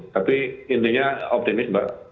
tapi intinya optimis mbak